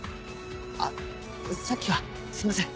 あっさっきはすいません。